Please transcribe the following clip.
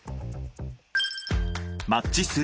マッチ３。